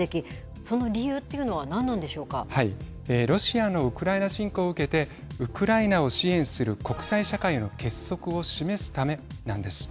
その理由というのはロシアのウクライナ侵攻を受けてウクライナを支援する国際社会の結束を示すためなんです。